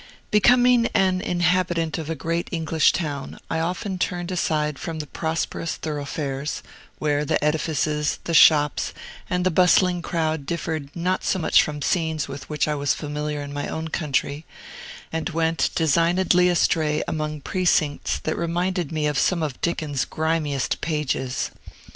Becoming an inhabitant of a great English town, I often turned aside from the prosperous thoroughfares (where the edifices, the shops, and the bustling crowd differed not so much from scenes with which I was familiar in my own country), and went designedly astray among precincts that reminded me of some of Dickens's grimiest pages.